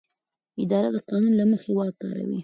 اداره د قانون له مخې واک کاروي.